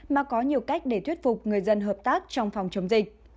mà có nhiều cách để thuyết phục người dân hợp tác trong phòng chống dịch